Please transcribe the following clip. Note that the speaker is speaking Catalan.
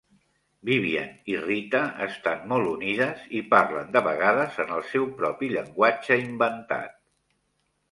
Vivian i Rita estan molt unides i parlen de vegades en el seu propi llenguatge inventat.